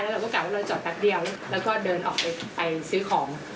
เราก็กลับว่าเราจอดแป๊บเดียวแล้วก็เดินออกไปซื้อของ